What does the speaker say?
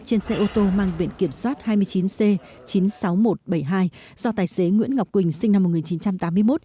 trên xe ô tô mang biện kiểm soát hai mươi chín c chín mươi sáu nghìn một trăm bảy mươi hai do tài xế nguyễn ngọc quỳnh sinh năm một nghìn chín trăm tám mươi một